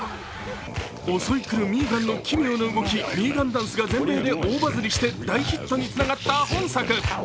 襲い来るミーガンの奇妙な動き、ミーガンダンスが全米で大バズりして大ヒットにつながった本作。